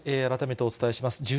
改めてお伝えします。